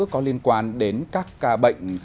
có liên quan đến các ca bệnh